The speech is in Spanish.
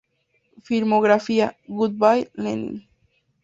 Filmografía: Good Bye, Lenin!